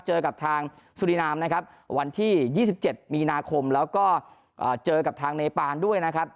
เจอกับทางสุรินามนะครับวันที่๒๗มีนาคมแล้วก็เจอกับทางเนปานด้วยนะครับ